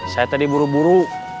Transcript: saya tadi buru buru